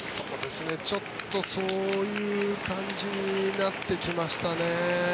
ちょっとそういう感じになってきましたね。